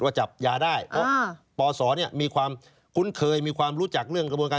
ว่าจับยาได้อ่าปสเนี่ยมีความคุ้นเคยมีความรู้จักเรื่องกระบวนการ